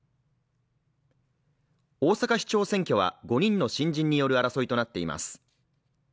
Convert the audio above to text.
大阪市長選挙は５人の新人による争いとなっています。